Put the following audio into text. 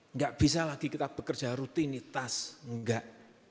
nggak bisa lagi kita bekerja rutinitas enggak